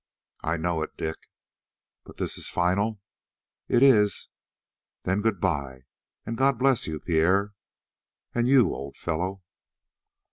"I know it, Dick." "But this is final?" "It is." "Then good bye again, and God bless you, Pierre." "And you, old fellow."